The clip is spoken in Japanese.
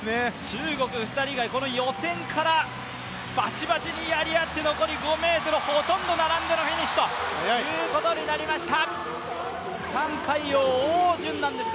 中国２人が予選からバチバチにやり合ってほとんど並んでのフィニッシュとなりました。